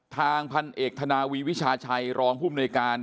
ทางพันเอกธนาวีวิชาชัยรองผู้มนุยการ